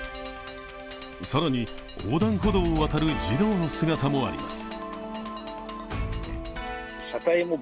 更に横断歩道を渡る児童の姿もあります。